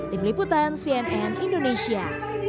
di peliputan cnn indonesia